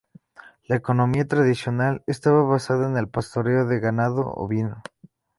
La economía tradicional estaba basada en el pastoreo de ganado ovino.